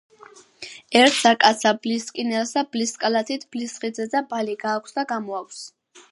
ერთსა კაცსა ბლისკინელსა ბლის კალათით ბლის ხიდზედა ბალი გააქვს და გამოაქვს